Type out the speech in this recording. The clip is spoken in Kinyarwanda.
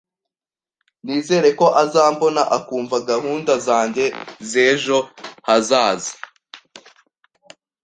Nizere ko azambona akumva gahunda zanjye z'ejo hazaza